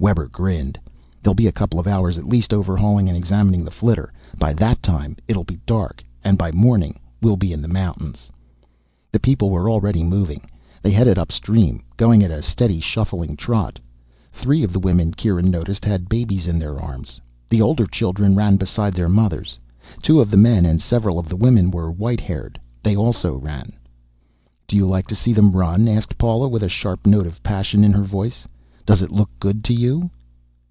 Webber grinned. "They'll be a couple of hours at least, overhauling and examining the flitter. By that time it'll be dark, and by morning we'll be in the mountains." The people were already moving. They headed upstream, going at a steady, shuffling trot. Three of the women, Kieran noticed, had babies in their arms. The older children ran beside their mothers. Two of the men and several of the women were white haired. They ran also. "Do you like to see them run?" asked Paula, with a sharp note of passion in her voice. "Does it look good to you?"